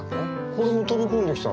これも飛び込んできたの。